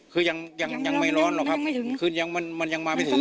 คือยังยังไม่ร้อนหรอกครับคือยังมันยังมาไม่ถึง